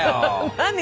何？